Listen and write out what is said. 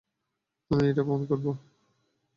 আমি এটা প্রমাণ করব।